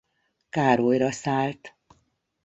Károlyra szállt.